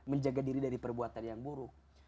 menjaga diri dari perbuatan yang buruk